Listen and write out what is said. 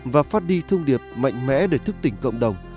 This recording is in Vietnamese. và phát đi thông điệp mạnh mẽ để thức tỉnh cộng đồng